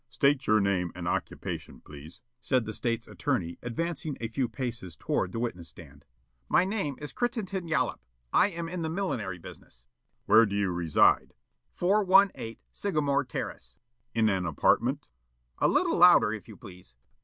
"State your name and occupation, please," said the State's attorney, advancing a few paces toward the witness stand. "My name is Crittenden Yollop. I am in the millinery business." The State: "Where do you reside?" Yollop: "418 Sagamore Terrace." The State: "In an apartment?" Yollop: "A little louder, if you please."